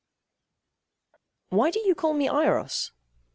Why do you call me Eiros?